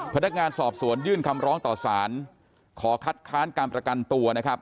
พนักงานสอบสวนยื่นคำร้องต่อสารขอคัดค้านการประกันตัวนะครับ